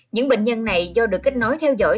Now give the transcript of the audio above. những bệnh nhân này do được kết nối theo dõi